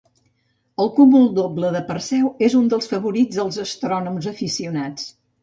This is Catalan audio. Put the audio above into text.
El cúmul doble de Perseu és un dels favorits dels astrònoms aficionats.